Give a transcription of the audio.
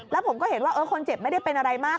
แล้วผมก็เห็นว่าคนเจ็บไม่ได้เป็นอะไรมาก